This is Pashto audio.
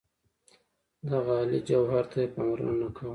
دغه عالي جوهر ته یې پاملرنه نه کوله.